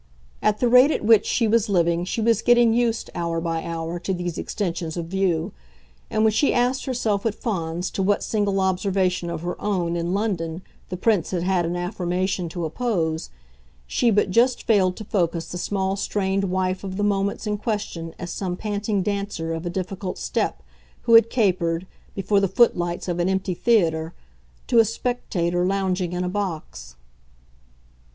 At the rate at which she was living she was getting used hour by hour to these extensions of view; and when she asked herself, at Fawns, to what single observation of her own, in London, the Prince had had an affirmation to oppose, she but just failed to focus the small strained wife of the moments in question as some panting dancer of a difficult step who had capered, before the footlights of an empty theatre, to a spectator lounging in a box.